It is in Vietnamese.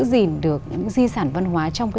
gìn được những di sản văn hóa trong